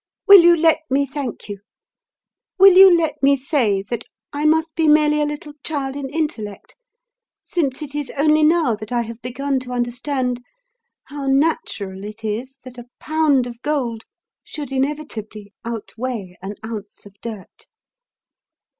"Will you let me thank you? Will you let me say that I must be merely a little child in intellect since it is only now that I have begun to understand how natural it is that a pound of gold should inevitably outweigh an ounce of dirt?